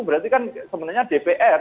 berarti kan sebenarnya dpr